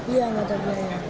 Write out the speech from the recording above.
iya nggak ada biaya